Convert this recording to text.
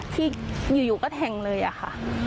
ที่อยู่อยู่แทงเลยค่ะ